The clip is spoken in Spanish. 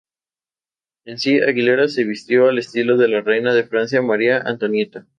En si, Aguilera se vistió al estilo de la reina de Francia, Maria Antonieta.